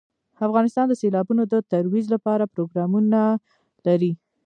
افغانستان د سیلابونه د ترویج لپاره پروګرامونه لري.